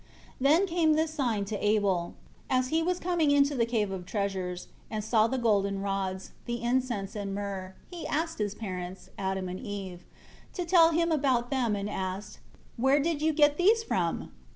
4 Then came this sign to Abel. As he was coming into the Cave of Treasures, and saw the golden rods, the incense and the myrrh, he asked his parents, Adam and Eve, to tell him about them and asked, "Where did you get these from?"